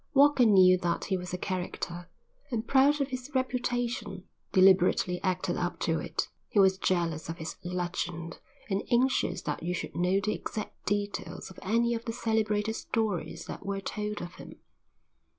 Walker knew that he was a character, and, proud of his reputation, deliberately acted up to it. He was jealous of his "legend" and anxious that you should know the exact details of any of the celebrated stories that were told of him.